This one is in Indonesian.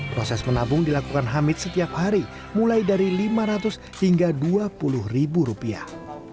proses menabung dilakukan hamid setiap hari mulai dari lima ratus hingga dua puluh ribu rupiah